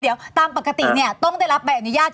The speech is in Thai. เดี๋ยวตามปกติเนี่ยต้องได้รับใบอนุญาต